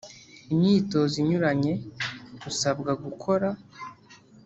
Imyitozo inyuranye usabwa gukora